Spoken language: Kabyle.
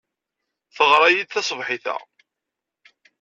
Teɣra-iyi-d taṣebḥit-a.